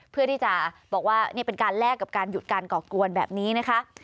เพื่อที่จะบอกว่านี่เป็นการแลกกับการหยุดการก่อกวนแบบนี้นะคะ